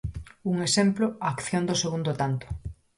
Un exemplo, a acción do segundo tanto.